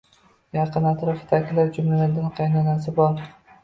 Yaqin atrofidagilar, jumladan qaynonasi bor.